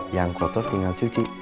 yang kotor tinggal cuci